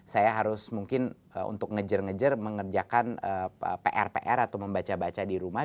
saya harus mungkin untuk ngejer ngejer mengerjakan pr pr atau membaca baca di rumah